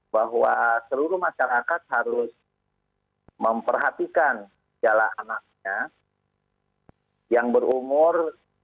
bahwa seluruh masyarakat harus memperhatikan jala anaknya yang berumur